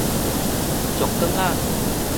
石硿仔